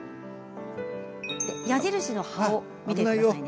矢印の葉を見てくださいね。